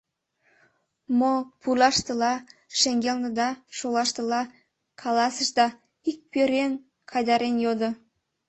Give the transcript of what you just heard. — Мо пурлаштыла, шеҥгелныда, шолаштыла — каласышда, — ик пӧръеҥ кайдарен йодо.